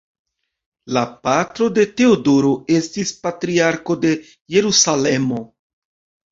La patro de Teodoro estis Patriarko de Jerusalemo.